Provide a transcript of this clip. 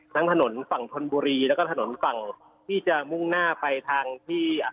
ทั้งถนนฝั่งธนบุรีแล้วก็ถนนฝั่งที่จะมุ่งหน้าไปทางที่